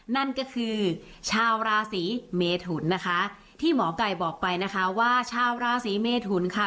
นั่นก็คือชาวราศีเมทุนนะคะที่หมอไก่บอกไปนะคะว่าชาวราศีเมทุนค่ะ